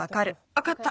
わかった。